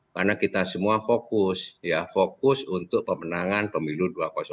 karena kita semua fokus untuk pemenangan pemilu dua ribu dua puluh empat